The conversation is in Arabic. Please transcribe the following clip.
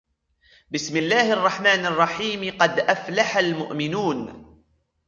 بِسْمِ اللَّهِ الرَّحْمَنِ الرَّحِيمِ قَدْ أَفْلَحَ الْمُؤْمِنُونَ